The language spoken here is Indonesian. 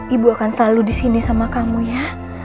ibu akan selalu disini sama kamu ya